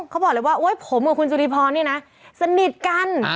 เขาบอกเลยว่าโอ๊ยผมกับคุณสุธิพรนี่นะสนิทกัน